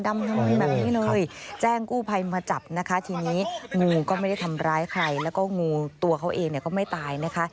ถนนแบบนี้เลยแจ้งกู้ภัยมาจับนะคะทีนี้งูก็ไม่ได้ทำร้ายใครแล้วก็งูตัวเขาเองเนี่ยก็ไม่ตายนะคะ